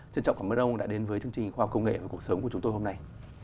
trân trọng cảm ơn ông đã đến với chương trình khoa học công nghệ và cuộc sống của chúng tôi hôm nay